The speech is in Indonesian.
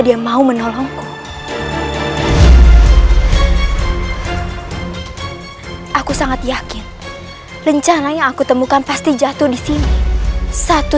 dia mau menolongku aku sangat yakin rencana yang aku temukan pasti jatuh di sini satu